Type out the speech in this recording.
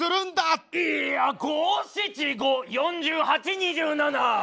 いや五・七・五・四十八・二十七！